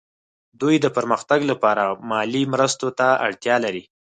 دوی د پرمختګ لپاره مالي مرستو ته اړتیا لري